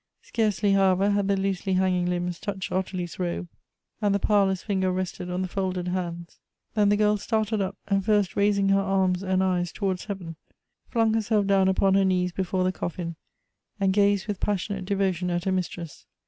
Scarcely, however, had the loosely hanging limbs touched Ottilie's robe, and the powerless finger rested on the folded hands, than the girl started up, and first raising her arms and eyes towards heaven, flung herself down upon her knees before the coffin, and gazed with passion ate devotion at her mistress.